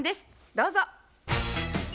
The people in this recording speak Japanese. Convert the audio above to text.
どうぞ。